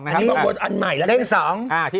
อันนี้อันใหม่แล้วเล็ก๒